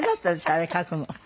あれ書くの。